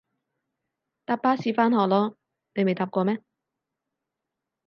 搭巴士返學囉，你未搭過咩？